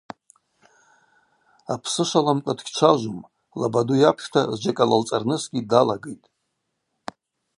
Апсышваламкӏва дгьчважвум, лабаду йапшта зджьакӏ алалцӏарнысгьи далагитӏ.